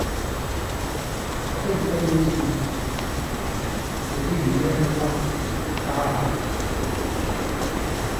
Enfin, une troisième équipe est dissoute, il s'agit du Lernagorts Ararat.